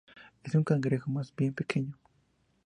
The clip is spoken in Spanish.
Es un cangrejo más bien pequeño.